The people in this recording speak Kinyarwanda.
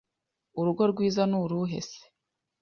Urugero rwiza nuruhe se